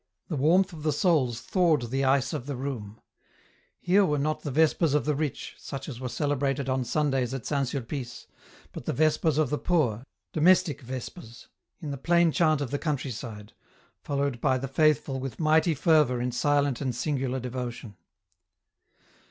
The warmth of the souls thawed the ice of the room ; here were not the vespers of the rich, such as were celebrated on Sundays at St. Sulpice, but the vespers of the poor, domestic vespers, in the plain chant of the country side, followed by the faithful with mighty fervour in silent and singular devotion.